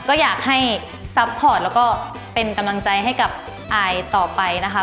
ก็อยากให้ซัพพอร์ตแล้วก็เป็นกำลังใจให้กับอายต่อไปนะคะ